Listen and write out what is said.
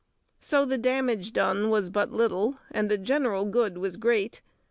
So the damage done was but little, and the general good was great.